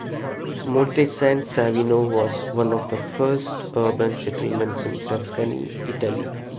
Monte San Savino was one of the first urban settlements in Tuscany, Italy.